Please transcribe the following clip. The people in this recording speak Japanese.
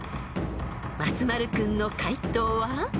［松丸君の解答は？］